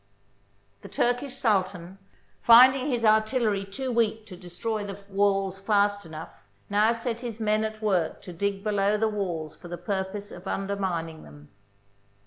The Turkish Sultan, finding his artillery too weak to destroy the walls fast enough, now set his men at work to dig below the walls for the purpose of undermining them.